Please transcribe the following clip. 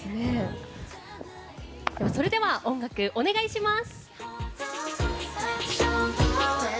それでは、お願いします。